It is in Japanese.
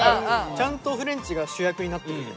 ちゃんとフレンチが主役になってる。